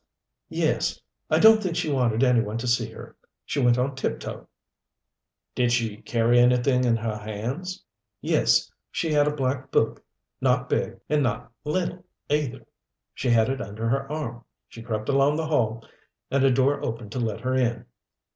"Yes. I don't think she wanted any one to see her. She went on tip toe." "Did she carry anything in her hands?" "Yes. She had a black book, not big and not little either. She had it under her arm. She crept along the hall, and a door opened to let her in."